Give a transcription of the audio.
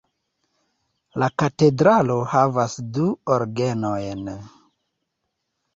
La katedralo havas du orgenojn.